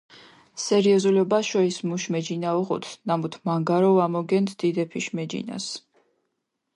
სერიოზულობაშო ის მუშ მეჯინა უღუდჷ, ნამუთ მანგარო ვამოგენდჷ დიდეფიშ მეჯინას.